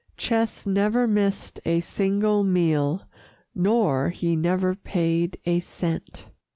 Ches never missed a single meal, Nor he never paid a cent.